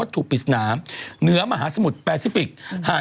ต่อไปชื่ออะไรคะ